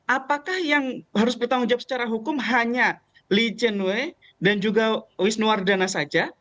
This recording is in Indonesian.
apakah yang harus bertanggung jawab secara hukum hanya lee chen wei dan juga wisnuardana saja